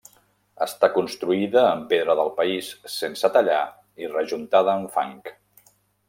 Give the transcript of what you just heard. Està construïda amb pedra del país sense tallar i rejuntada amb fang.